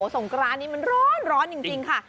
สงกรานนี้มันร้อนจริงค่ะ